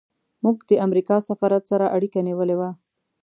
موږ د امریکا سفارت سره اړیکه نیولې وه.